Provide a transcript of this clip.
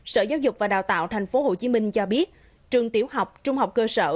sở giáo dục và đào tạo thành phố hồ chí minh cho biết trường tiểu học trung học cơ sở